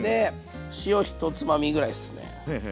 塩１つまみぐらいですね。